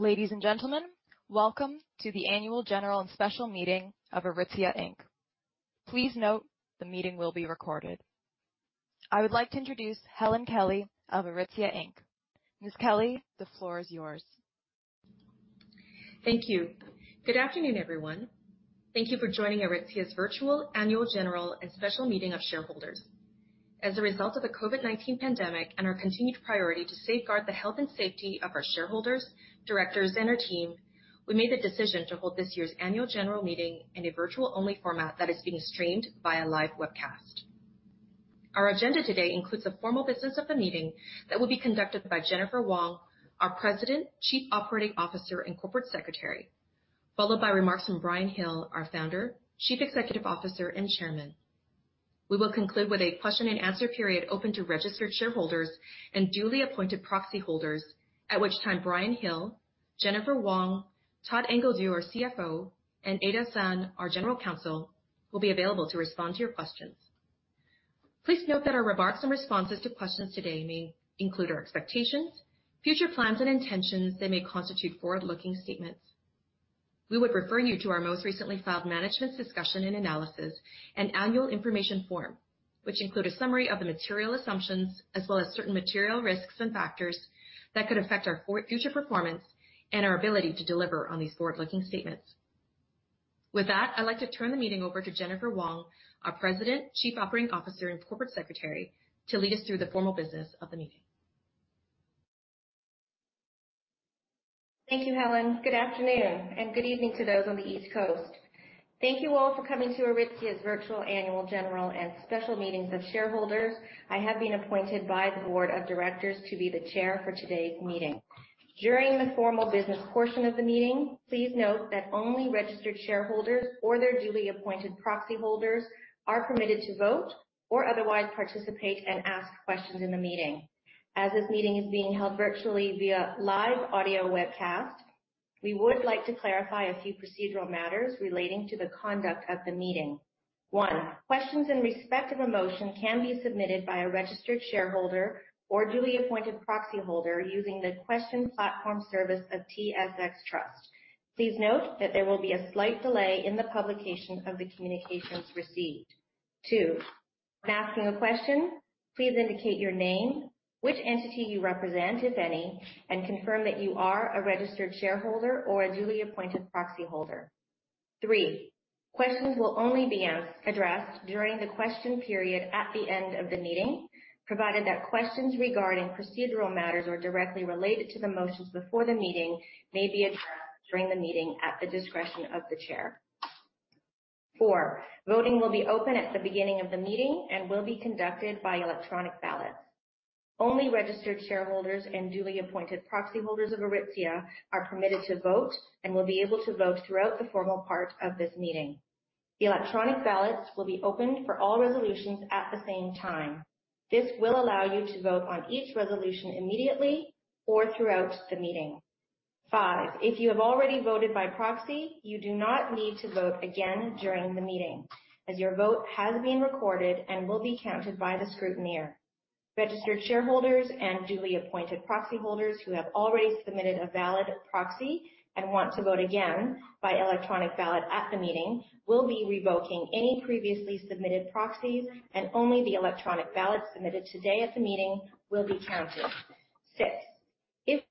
Ladies and gentlemen, welcome to the annual general and special meeting of Aritzia Inc. Please note the meeting will be recorded. I would like to introduce Helen Kelly of Aritzia Inc. Ms. Kelly, the floor is yours. Thank you. Good afternoon, everyone. Thank you for joining Aritzia's virtual annual general and special meeting of shareholders. As a result of the COVID-19 pandemic and our continued priority to safeguard the health and safety of our shareholders, directors, and our team, we made the decision to hold this year's annual general meeting in a virtual-only format that is being streamed via live webcast. Our agenda today includes the formal business of the meeting that will be conducted by Jennifer Wong, our President, Chief Operating Officer, and Corporate Secretary, followed by remarks from Brian Hill, our Founder, Chief Executive Officer, and Chairman. We will conclude with a question-and-answer period open to registered shareholders and duly appointed proxy holders, at which time Brian Hill, Jennifer Wong, Todd Ingledew, our CFO, and Ada San, our General Counsel, will be available to respond to your questions. Please note that our remarks and responses to questions today may include our expectations, future plans, and intentions that may constitute forward-looking statements. We would refer you to our most recently filed management's discussion and analysis and annual information form, which include a summary of the material assumptions as well as certain material risks and factors that could affect our future performance and our ability to deliver on these forward-looking statements. With that, I'd like to turn the meeting over to Jennifer Wong, our President, Chief Operating Officer, and Corporate Secretary, to lead us through the formal business of the meeting. Thank you, Helen. Good afternoon, and good evening to those on the East Coast. Thank you all for coming to Aritzia's virtual annual general and special meetings of shareholders. I have been appointed by the board of directors to be the chair for today's meeting. During the formal business portion of the meeting, please note that only registered shareholders or their duly appointed proxy holders are permitted to vote or otherwise participate and ask questions in the meeting. As this meeting is being held virtually via live audio webcast, we would like to clarify a few procedural matters relating to the conduct of the meeting. One. Questions in respect of a motion can be submitted by a registered shareholder or duly appointed proxy holder using the question platform service of TSX Trust. Please note that there will be a slight delay in the publication of the communications received. Two, when asking a question, please indicate your name, which entity you represent, if any, and confirm that you are a registered shareholder or a duly appointed proxy holder. Three, questions will only be addressed during the question period at the end of the meeting, provided that questions regarding procedural matters or directly related to the motions before the meeting may be addressed during the meeting at the discretion of the chair. Four, voting will be open at the beginning of the meeting and will be conducted by electronic ballot. Only registered shareholders and duly appointed proxy holders of Aritzia are permitted to vote and will be able to vote throughout the formal part of this meeting. The electronic ballots will be opened for all resolutions at the same time. This will allow you to vote on each resolution immediately or throughout the meeting. Five, if you have already voted by proxy, you do not need to vote again during the meeting, as your vote has been recorded and will be counted by the scrutineer. Registered shareholders and duly appointed proxy holders who have already submitted a valid proxy and want to vote again by electronic ballot at the meeting will be revoking any previously submitted proxies, and only the electronic ballot submitted today at the meeting will be counted. Six, if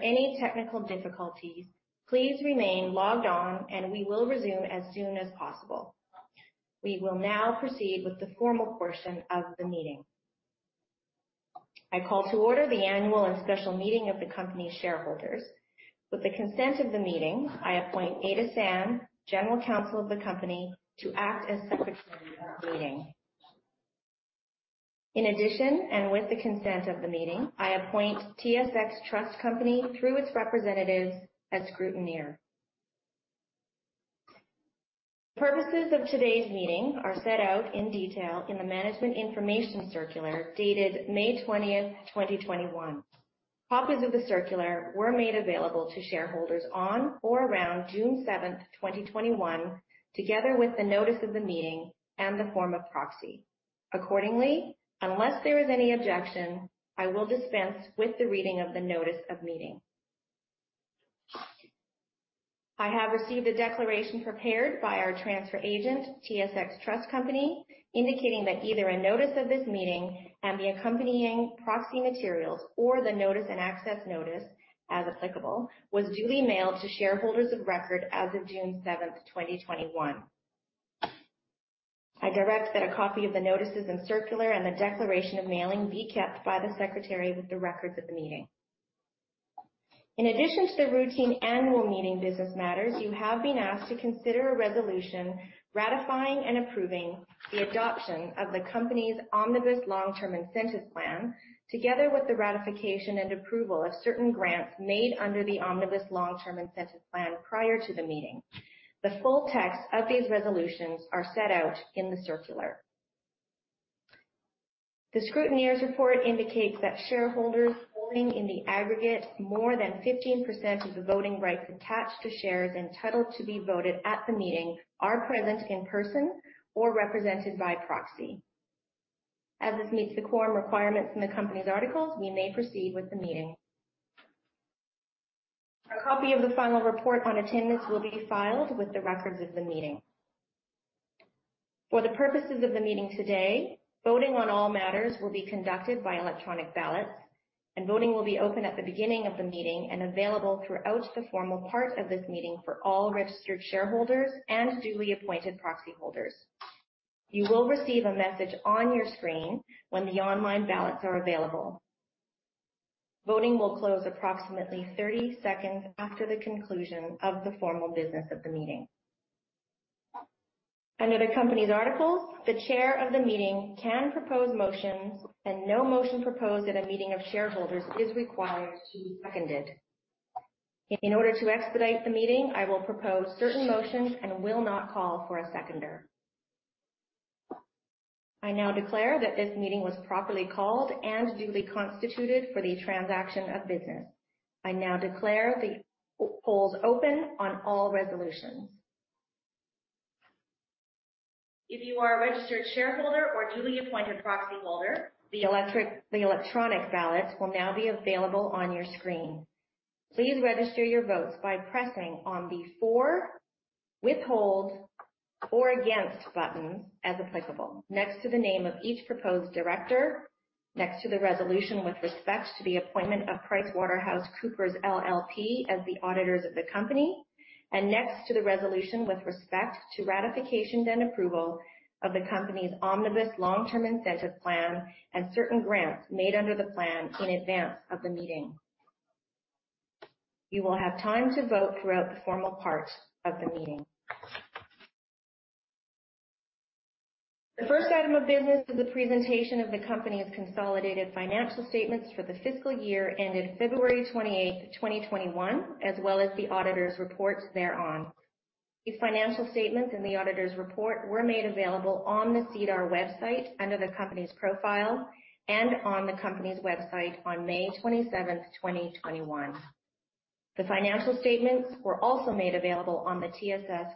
any technical difficulties, please remain logged on and we will resume as soon as possible. We will now proceed with the formal portion of the meeting. I call to order the annual and special meeting of the company's shareholders. With the consent of the meeting, I appoint Ada San, General Counsel of the company, to act as Secretary of the meeting. In addition, and with the consent of the meeting, I appoint TSX Trust Company through its representatives as scrutineer. The purposes of today's meeting are set out in detail in the management information circular dated May 20th, 2021. Copies of the circular were made available to shareholders on or around June 7th, 2021, together with the notice of the meeting and the form of proxy. Accordingly, unless there is any objection, I will dispense with the reading of the notice of meeting. I have received a declaration prepared by our transfer agent, TSX Trust Company, indicating that either a notice of this meeting and the accompanying proxy materials, or the notice and access notice, as applicable, was duly mailed to shareholders of record as of June 7th, 2021. I direct that a copy of the notices and circular and the declaration of mailing be kept by the Secretary with the records of the meeting. In addition to the routine annual meeting business matters, you have been asked to consider a resolution ratifying and approving the adoption of the company's Omnibus Long-Term Incentive Plan, together with the ratification and approval of certain grants made under the Omnibus Long-Term Incentive Plan prior to the meeting. The full text of these resolutions are set out in the circular. The scrutineer's report indicates that shareholders holding in the aggregate more than 15% of the voting rights attached to shares entitled to be voted at the meeting are present in person or represented by proxy. As this meets the core requirements in the company's articles, we may proceed with the meeting. A copy of the final report on attendance will be filed with the records of the meeting. For the purposes of the meeting today, voting on all matters will be conducted by electronic ballots, and voting will be open at the beginning of the meeting and available throughout the formal parts of this meeting for all registered shareholders and duly appointed proxy holders. You will receive a message on your screen when the online ballots are available. Voting will close approximately 30 seconds after the conclusion of the formal business of the meeting. Under the company's articles, the chair of the meeting can propose motions, and no motion proposed at a meeting of shareholders is required to be seconded. In order to expedite the meeting, I will propose certain motions and will not call for a seconder. I now declare that this meeting was properly called and duly constituted for the transaction of business. I now declare the polls open on all resolutions. If you are a registered shareholder or duly appointed proxy holder, the electronic ballots will now be available on your screen. Please register your votes by pressing on the for, withhold, or against button as applicable next to the name of each proposed director, next to the resolution with respect to the appointment of PricewaterhouseCoopers LLP as the auditors of the company, and next to the resolution with respect to ratification and approval of the company's Omnibus Long-Term Incentive Plan and certain grants made under the plan in advance of the meeting. You will have time to vote throughout the formal part of the meeting. The first item of business is the presentation of the company's consolidated financial statements for the fiscal year ended February 28, 2021, as well as the auditor's report thereon. These financial statements and the auditor's report were made available on the SEDAR website under the company's profile and on the company's website on May 27th, 2021. The financial statements were also made available on the TSX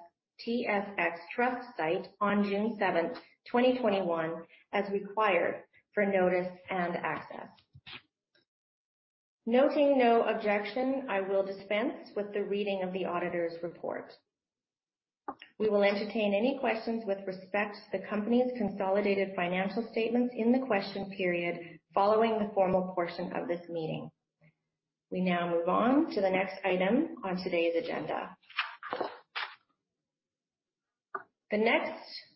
Trust site on June 7th, 2021, as required for notice and access. Noting no objection, I will dispense with the reading of the auditor's report. We will entertain any questions with respect to the company's consolidated financial statements in the question period following the formal portion of this meeting. We now move on to the next item on today's agenda. The next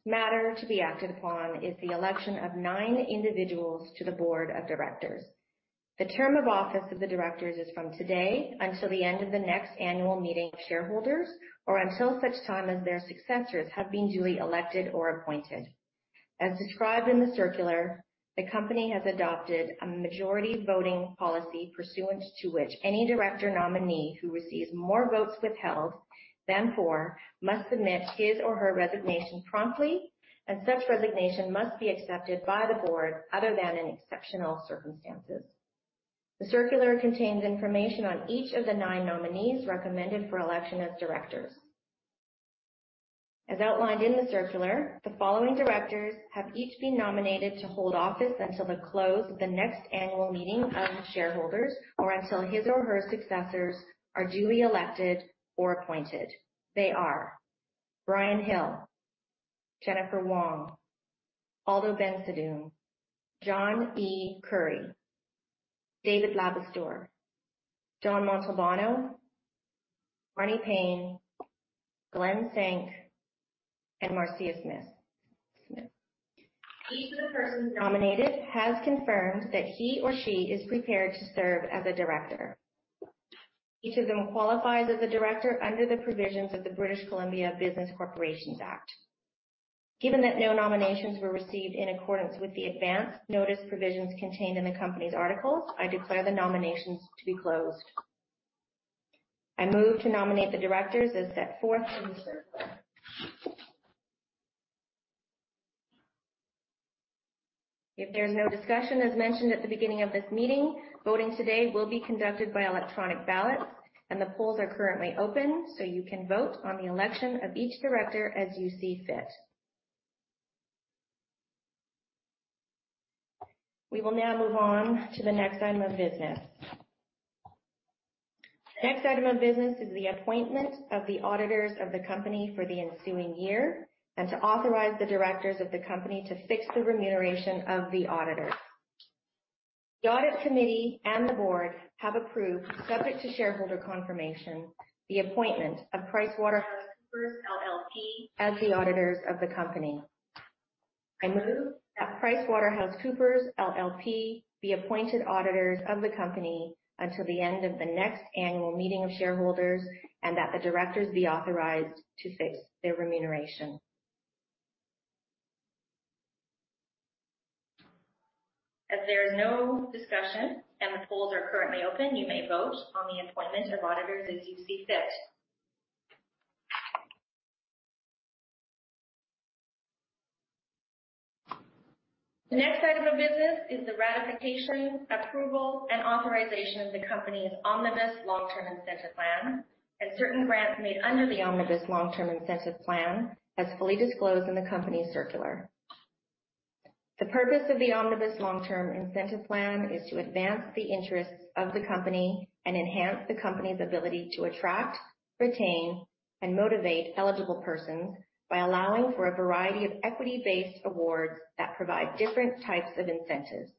matter to be acted upon is the election of nine individuals to the board of directors. The term of office of the directors is from today until the end of the next annual meeting of shareholders or until such time as their successors have been duly elected or appointed. As described in the circular, the company has adopted a majority voting policy pursuant to which any director nominee who receives more votes withheld than for must submit his or her resignation promptly, and such resignation must be accepted by the board other than in exceptional circumstances. The circular contains information on each of the nine nominees recommended for election as directors. As outlined in the circular, the following directors have each been nominated to hold office until the close of the next annual meeting of shareholders or until his or her successors are duly elected or appointed. They are Brian Hill, Jennifer Wong, Aldo Bensadoun, John E. Currie, David Labistour, John Montalbano, Marni Payne, Glen Senk, and Marcia Smith. Each of the persons nominated has confirmed that he or she is prepared to serve as a director. Each of them qualifies as a director under the provisions of the British Columbia Business Corporations Act. Given that no nominations were received in accordance with the advance notice provisions contained in the company's articles, I declare the nominations to be closed. I move to nominate the directors as set forth in the circular. If there's no discussion, as mentioned at the beginning of this meeting, voting today will be conducted by electronic ballot, and the polls are currently open, so you can vote on the election of each director as you see fit. We will now move on to the next item of business. The next item of business is the appointment of the auditors of the company for the ensuing year and to authorize the directors of the company to fix the remuneration of the auditor. The audit committee and the board have approved, subject to shareholder confirmation, the appointment of PricewaterhouseCoopers LLP as the auditors of the company. I move that PricewaterhouseCoopers LLP be appointed auditors of the company until the end of the next annual meeting of shareholders and that the directors be authorized to fix their remuneration. If there is no discussion and the polls are currently open, you may vote on the appointment of auditors as you see fit. The next item of business is the ratification, approval, and authorization of the company's Omnibus Long-Term Incentive Plan and certain grants made under the Omnibus Long-Term Incentive Plan, as fully disclosed in the company's circular. The purpose of the Omnibus Long-Term Incentive Plan is to advance the interests of the company and enhance the company's ability to attract, retain, and motivate eligible persons by allowing for a variety of equity-based awards that provide different types of incentives,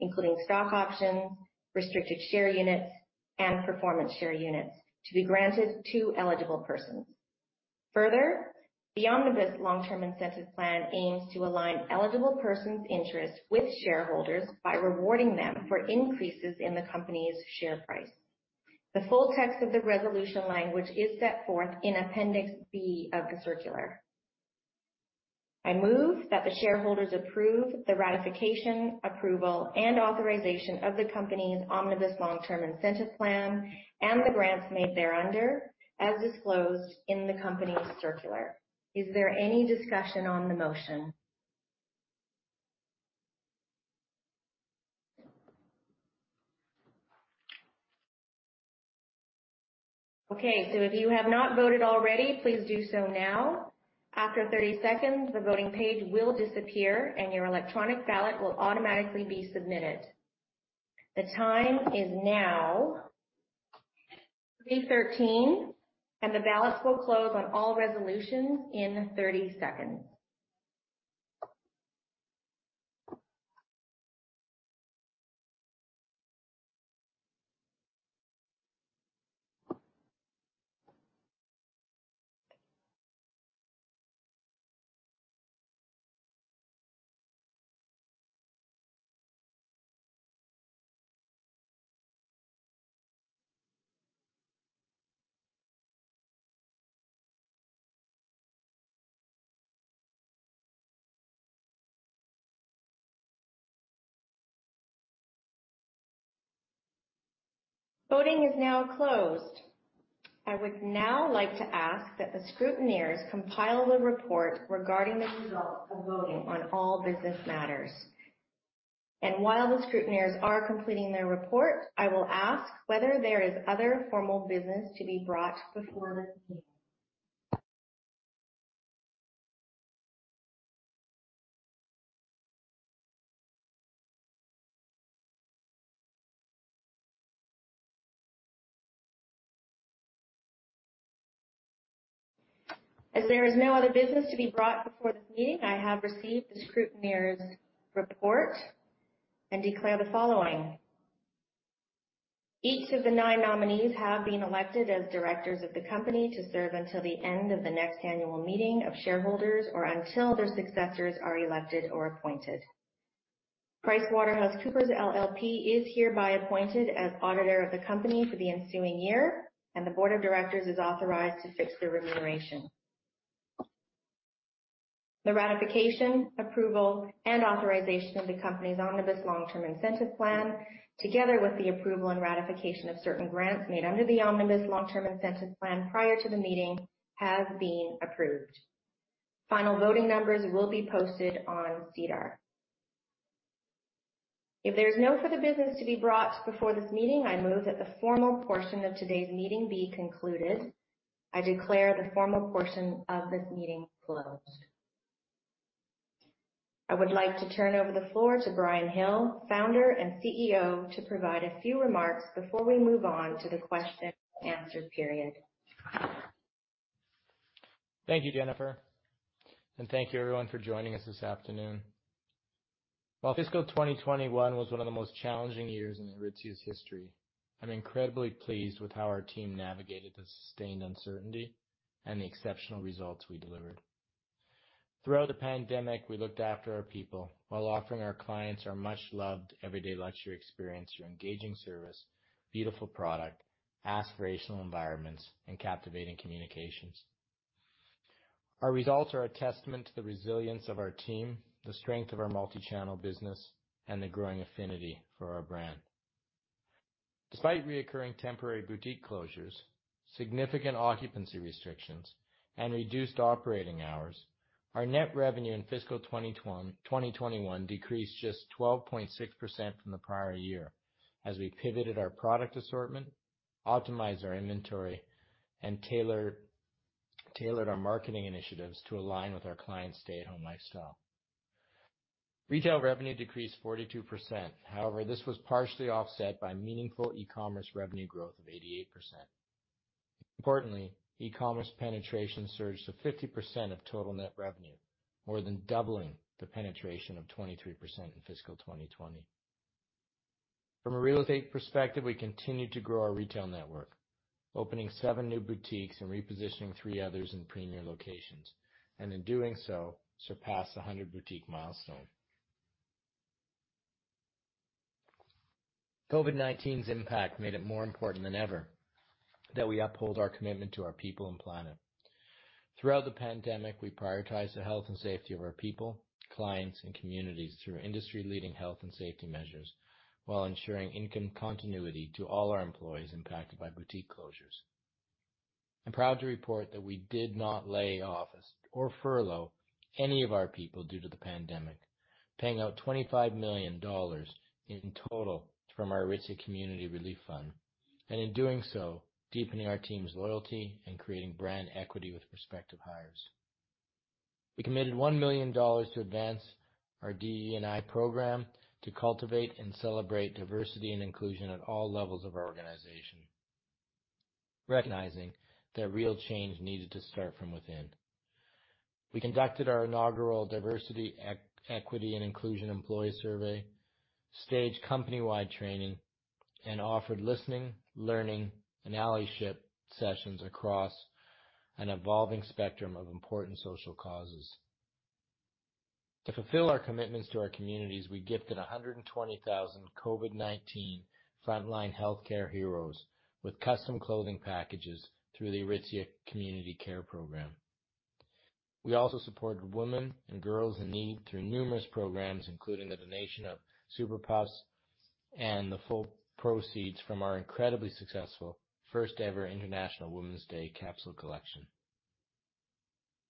including stock options, restricted share units, and performance share units to be granted to eligible persons. The Omnibus Long-Term Incentive Plan aims to align eligible persons' interests with shareholders by rewarding them for increases in the company's share price. The full text of the resolution language is set forth in Appendix B of the circular. I move that the shareholders approve the ratification, approval, and authorization of the company's Omnibus Long-Term Incentive Plan and the grants made thereunder as disclosed in the company's circular. Is there any discussion on the motion? Okay. If you have not voted already, please do so now. After 30 seconds, the voting page will disappear, and your electronic ballot will automatically be submitted. The time is now 3:13PM, and the ballots will close on all resolutions in 30 seconds. Voting is now closed. I would now like to ask that the scrutineers compile the report regarding the results of voting on all business matters. While the scrutineers are completing their report, I will ask whether there is other formal business to be brought before this meeting. As there is no other business to be brought before this meeting, I have received the scrutineers' report and declare the following. Each of the nine nominees have been elected as directors of the company to serve until the end of the next annual meeting of shareholders or until their successors are elected or appointed. PricewaterhouseCoopers LLP is hereby appointed as auditor of the company for the ensuing year, and the board of directors is authorized to fix their remuneration. The ratification, approval, and authorization of the company's Omnibus Long-Term Incentive Plan, together with the approval and ratification of certain grants made under the Omnibus Long-Term Incentive Plan prior to the meeting, have been approved. Final voting numbers will be posted on SEDAR. If there is no further business to be brought before this meeting, I move that the formal portion of today's meeting be concluded. I declare the formal portion of this meeting closed. I would like to turn over the floor to Brian Hill, founder and CEO, to provide a few remarks before we move on to the question-and-answer period. Thank you, Jennifer. Thank you everyone for joining us this afternoon. While fiscal 2021 was one of the most challenging years in Aritzia's history, I'm incredibly pleased with how our team navigated the sustained uncertainty and the exceptional results we delivered. Throughout the pandemic, we looked after our people while offering our clients our much-loved everyday luxury experience through engaging service, beautiful product, aspirational environments, and captivating communications. Our results are a testament to the resilience of our team, the strength of our multi-channel business, and the growing affinity for our brand. Despite recurring temporary boutique closures, significant occupancy restrictions, and reduced operating hours, our net revenue in fiscal 2021 decreased just 12.6% from the prior year as we pivoted our product assortment, optimized our inventory, and tailored our marketing initiatives to align with our clients' stay-at-home lifestyle. Retail revenue decreased 42%. However, this was partially offset by meaningful e-commerce revenue growth of 88%. Importantly, e-commerce penetration surged to 50% of total net revenue, more than doubling the penetration of 23% in fiscal 2020. From a real estate perspective, we continued to grow our retail network, opening seven new boutiques and repositioning three others in premier locations, and in doing so, surpassed the 100-boutique milestone. COVID-19's impact made it more important than ever that we uphold our commitment to our people and planet. Throughout the pandemic, we prioritized the health and safety of our people, clients, and communities through industry-leading health and safety measures while ensuring income continuity to all our employees impacted by boutique closures. I'm proud to report that we did not lay off or furlough any of our people due to the pandemic, paying out 25 million dollars in total from our Aritzia Community Relief Fund. In doing so, deepening our team's loyalty and creating brand equity with prospective hires. We committed 1 million dollars to advance our DE&I program to cultivate and celebrate diversity and inclusion at all levels of our organization, recognizing that real change needed to start from within. We conducted our inaugural diversity, equity, and inclusion employee survey, staged company-wide training, and offered listening, learning, and allyship sessions across an evolving spectrum of important social causes. To fulfill our commitments to our communities, we gifted 120,000 COVID-19 frontline healthcare heroes with custom clothing packages through the Aritzia Community Care program. We also supported women and girls in need through numerous programs, including the donation of Super Puffs and the full proceeds from our incredibly successful first-ever International Women's Day capsule collection.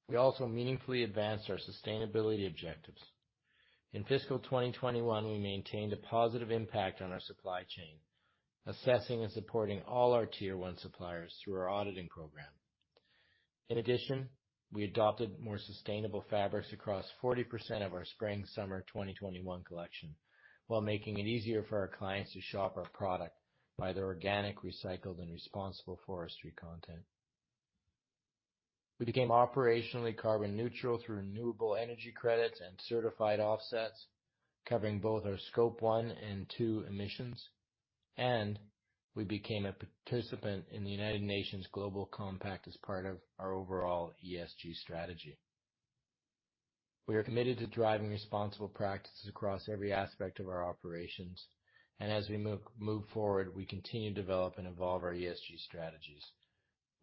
We also meaningfully advanced our sustainability objectives. In fiscal 2021, we maintained a positive impact on our supply chain, assessing and supporting all our Tier 1 suppliers through our auditing program. In addition, we adopted more sustainable fabrics across 40% of our spring-summer 2021 collection, while making it easier for our clients to shop our product by the organic, recycled, and responsible forestry content. We became operationally carbon neutral through renewable energy credits and certified offsets, covering both our Scope 1 and 2 emissions, and we became a participant in the United Nations Global Compact as part of our overall ESG strategy. We are committed to driving responsible practices across every aspect of our operations, and as we move forward, we continue to develop and evolve our ESG strategies.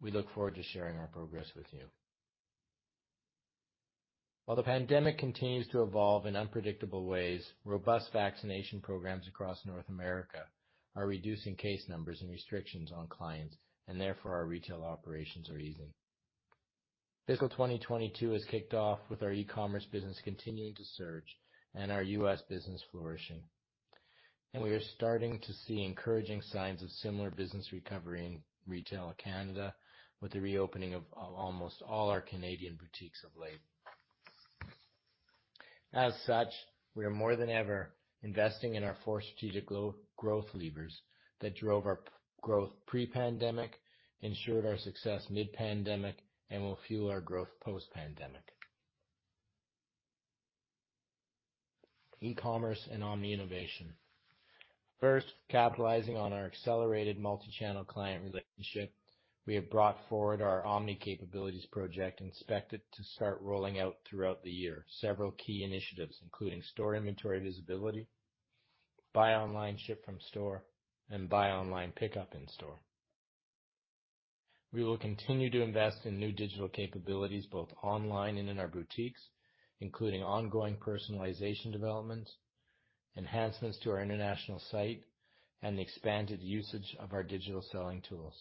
We look forward to sharing our progress with you. While the pandemic continues to evolve in unpredictable ways, robust vaccination programs across North America are reducing case numbers and restrictions on clients, and therefore, our retail operations are easing. Fiscal 2022 has kicked off with our e-commerce business continuing to surge and our U.S. business flourishing. We are starting to see encouraging signs of similar business recovery in retail Canada, with the reopening of almost all our Canadian boutiques of late. As such, we are more than ever investing in our four strategic growth levers that drove our growth pre-pandemic, ensured our success mid-pandemic, and will fuel our growth post-pandemic. E-commerce and omni innovation. First, capitalizing on our accelerated multi-channel client relationship, we have brought forward our omni capabilities project and expect it to start rolling out throughout the year. Several key initiatives, including store inventory visibility, buy online ship from store, and buy online pickup in store. We will continue to invest in new digital capabilities, both online and in our boutiques, including ongoing personalization developments, enhancements to our international site, and the expanded usage of our digital selling tools.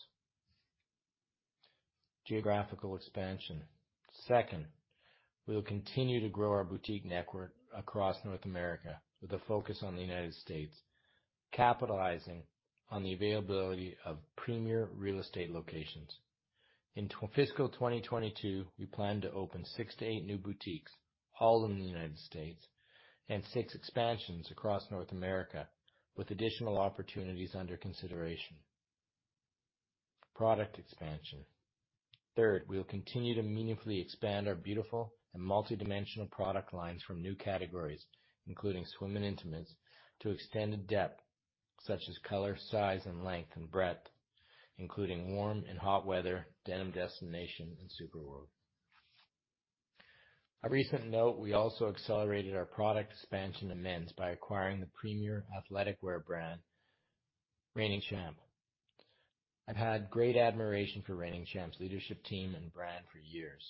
Geographical expansion. We will continue to grow our boutique network across North America with a focus on the U.S., capitalizing on the availability of premier real estate locations. In fiscal 2022, we plan to open six to eight new boutiques, all in the U.S., and six expansions across North America, with additional opportunities under consideration. Product expansion. We will continue to meaningfully expand our beautiful and multidimensional product lines from new categories, including swim and intimates, to extended depth, such as color, size, and length and breadth, including warm and hot weather, denim destination, and Super World. A recent note, we also accelerated our product expansion to men's by acquiring the premier athletic wear brand, Reigning Champ. I've had great admiration for Reigning Champ's leadership team and brand for years,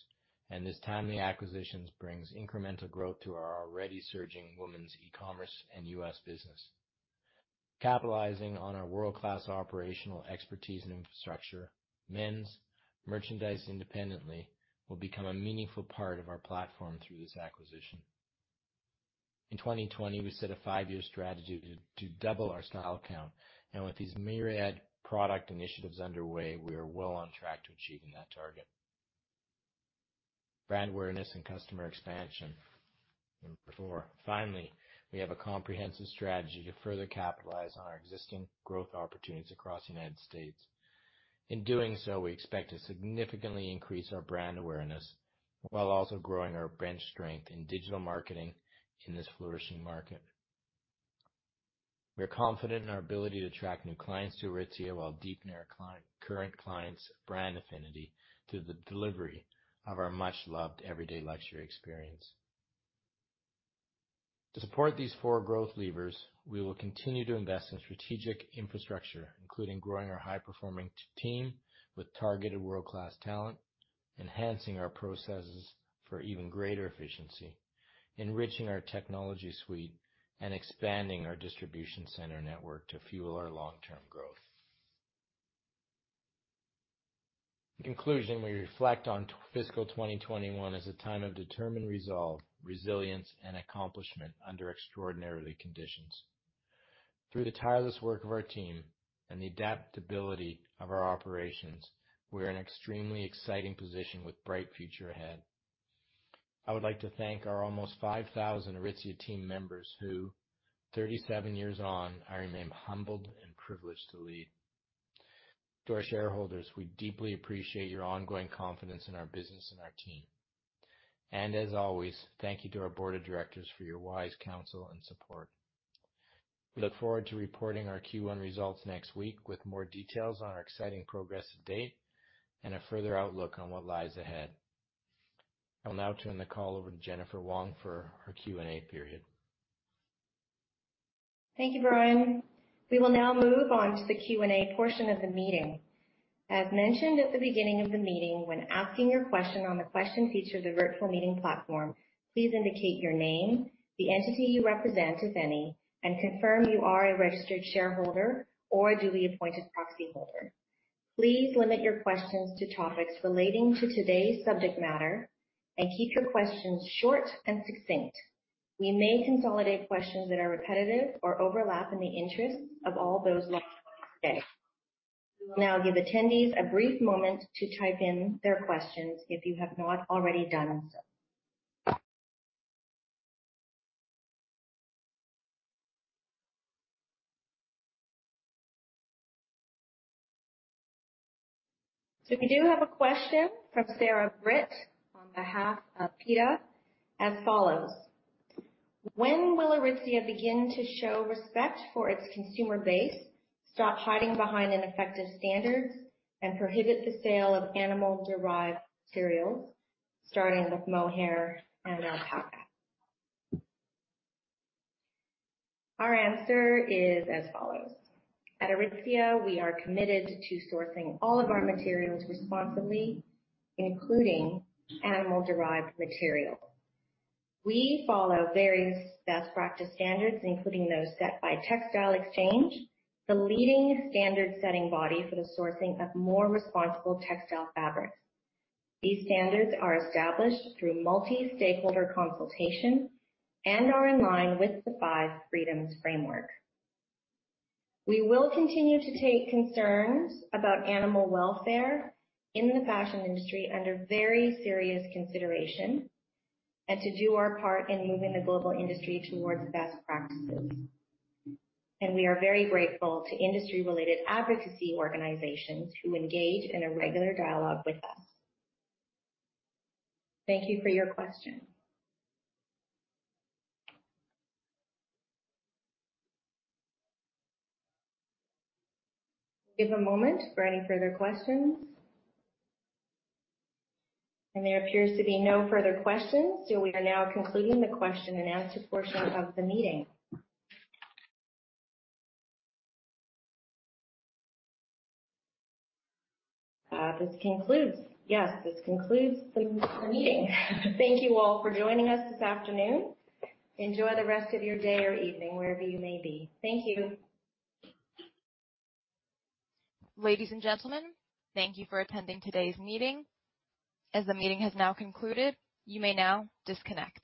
and this timely acquisition brings incremental growth to our already surging women's e-commerce and U.S. business. Capitalizing on our world-class operational expertise and infrastructure, men's merchandise independently will become a meaningful part of our platform through this acquisition. In 2020, we set a five-year strategy to double our style count, and with these myriad product initiatives underway, we are well on track to achieving that target. Brand awareness and customer expansion. Number four. Finally, we have a comprehensive strategy to further capitalize on our existing growth opportunities across the United States. In doing so, we expect to significantly increase our brand awareness while also growing our bench strength in digital marketing in this flourishing market. We are confident in our ability to attract new clients to Aritzia while deepening our current clients' brand affinity to the delivery of our much-loved everyday luxury experience. To support these four growth levers, we will continue to invest in strategic infrastructure, including growing our high-performing team with targeted world-class talent, enhancing our processes for even greater efficiency, enriching our technology suite and expanding our distribution center network to fuel our long-term growth. In conclusion, we reflect on fiscal 2021 as a time of determined resolve, resilience, and accomplishment under extraordinary conditions. Through the tireless work of our team and the adaptability of our operations, we are in an extremely exciting position with bright future ahead. I would like to thank our almost 5,000 Aritzia team members who, 37 years on, I remain humbled and privileged to lead. To our shareholders, we deeply appreciate your ongoing confidence in our business and our team. As always, thank you to our board of directors for your wise counsel and support. We look forward to reporting our Q1 results next week with more details on our exciting progress to date and a further outlook on what lies ahead. I'll now turn the call over to Jennifer Wong for our Q&A period. Thank you, Brian. We will now move on to the Q&A portion of the meeting. As mentioned at the beginning of the meeting, when asking your question on the question feature of the virtual meeting platform, please indicate your name, the entity you represent, if any, and confirm you are a registered shareholder or duly appointed proxyholder. Please limit your questions to topics relating to today's subject matter and keep your questions short and succinct. We may consolidate questions that are repetitive or overlap in the interest of all those. We will now give attendees a brief moment to type in their questions if you have not already done so. We do have a question from Sara Britt on behalf of PETA as follows. When will Aritzia begin to show respect for its consumer base, stop hiding behind ineffective standards, and prohibit the sale of animal-derived materials, starting with mohair and alpaca? Our answer is as follows. At Aritzia, we are committed to sourcing all of our materials responsibly, including animal-derived material. We follow various best practice standards, including those set by Textile Exchange, the leading standard-setting body for the sourcing of more responsible textile fabrics. These standards are established through multi-stakeholder consultation and are in line with the Five Freedoms framework. We will continue to take concerns about animal welfare in the fashion industry under very serious consideration and to do our part in moving the global industry towards best practices. We are very grateful to industry-related advocacy organizations who engage in a regular dialogue with us. Thank you for your question. We'll give a moment for any further questions. There appears to be no further questions. We are now concluding the question-and-answer portion of the meeting. This concludes the meeting. Thank you all for joining us this afternoon. Enjoy the rest of your day or evening, wherever you may be. Thank you. Ladies and gentlemen, thank you for attending today's meeting. As the meeting has now concluded, you may now disconnect.